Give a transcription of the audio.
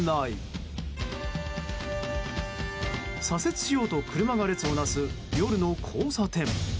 左折しようと車が列をなす夜の交差点。